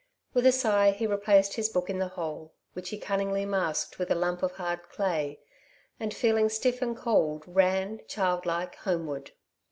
With a sigh he replaced his book in the hole, which he cunningly masked with a lump of hard clay, and, feeling stiff and cold, ran, childlike, homeward.